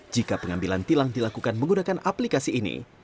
jika pengambilan tilang dilakukan menggunakan aplikasi ini